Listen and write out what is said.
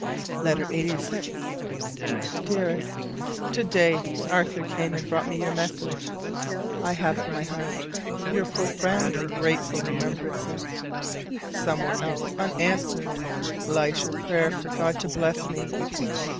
LETTER LXXXVI. Dearest: To day Arthur came and brought me your message: I have at my heart your "profoundly grateful remembrances." Somewhere else unanswered lies your prayer for God to bless me.